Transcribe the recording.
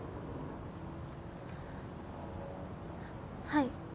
はい。